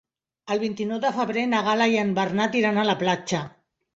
El vint-i-nou de febrer na Gal·la i en Bernat iran a la platja.